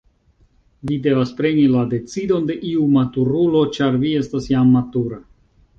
Vi devas preni la decidon de iu maturulo, ĉar vi estas jam matura.